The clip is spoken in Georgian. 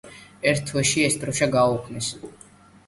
ერთ თვეში ეს დროშა გააუქმეს.